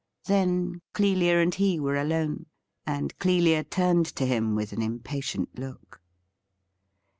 Then Clelia and he were alone, and Clelia turned to him with an impatient look.